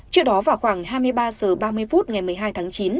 trước đó vào khoảng hai mươi ba h ba mươi phút ngày một mươi hai tháng chín